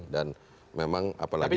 dan memang apalagi kita